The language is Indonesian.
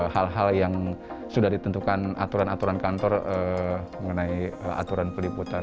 hal hal yang sudah ditentukan aturan aturan kantor mengenai aturan peliputan